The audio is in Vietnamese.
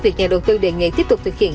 việc nhà đầu tư đề nghị tiếp tục thực hiện